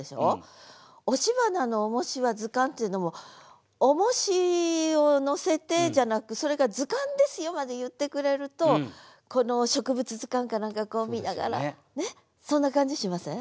「押し花の重しは図鑑」っていうのも「重しを載せて」じゃなく「それが図鑑ですよ」まで言ってくれるとこの植物図鑑か何かこう見ながらそんな感じしません？